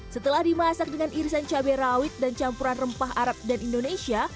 setelah dimasak dengan irisan cabai rawit dan campuran rempah arab dan indonesia